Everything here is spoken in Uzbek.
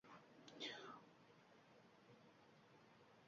Tuz koniga borishdan oldin qon bosimini yaxshilab tekshiriladi.